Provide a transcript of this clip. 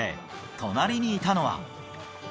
隣にいたのは。